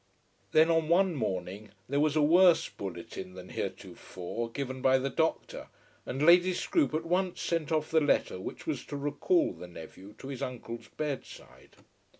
Then on one morning there was a worse bulletin than heretofore given by the doctor, and Lady Scroope at once sent off the letter which was to recall the nephew to his uncle's bedside.